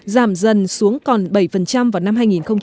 giảm dần xuống còn bảy vào năm hai nghìn một mươi tám